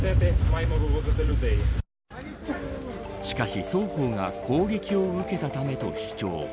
しかし双方が攻撃を受けたためと主張。